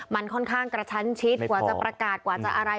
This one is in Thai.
มันค่อนข้างกระชั้นชิดกว่าจะประกาศกว่าจะอะไร